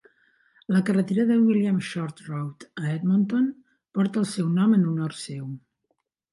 La carretera de William Short Road, a Edmonton, porta el seu nom en honor seu.